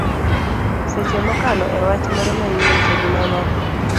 seche mokalo e wach moro manyien to gi mamoko